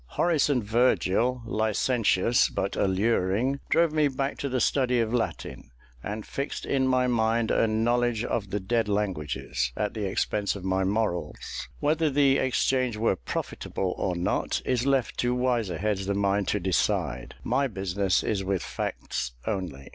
Horace and Virgil, licentious but alluring, drove me back to the study of Latin, and fixed in my mind a knowledge of the dead languages, at the expense of my morals. Whether the exchange were profitable or not, is left to wiser heads than mine to decide; my business is with facts only.